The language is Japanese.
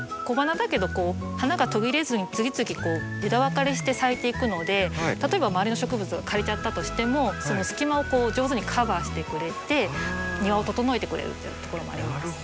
小花だけど花が途切れずに次々こう枝分かれして咲いていくので例えば周りの植物が枯れちゃったとしてもその隙間を上手にカバーしてくれて庭を整えてくれるっていうところもあります。